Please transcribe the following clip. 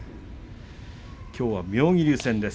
きょうは妙義龍戦です。